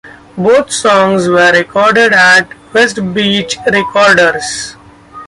Both songs were recorded at Westbeach Recorders.